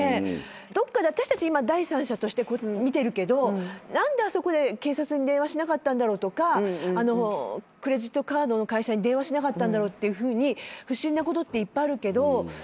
どっかで私たち今第三者として見てるけど何であそこで警察に電話しなかったんだろうとかクレジットカードの会社に電話しなかったんだろうって不審なことっていっぱいあるけど。